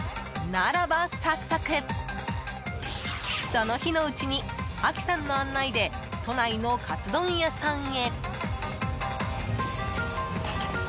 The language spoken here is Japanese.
ならば早速、その日のうちにアキさんの案内で都内のカツ丼屋さんへ。